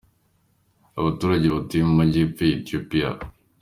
Abaturage batuye mu majyepfo ya Etiyopia.